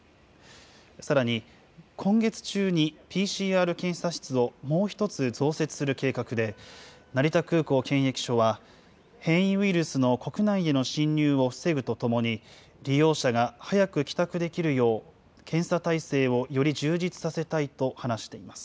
さらに、今月中にＰＣＲ検査室をもう１つ増設する計画で、成田空港検疫所は、変異ウイルスの国内への侵入を防ぐとともに、利用者が早く帰宅できるよう、検査態勢をより充実させたいと話しています。